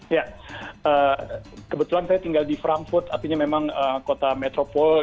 ya kebetulan saya tinggal di frankfurt artinya memang kota metropol